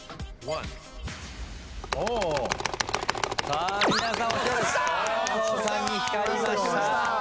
正蔵さんに光りました。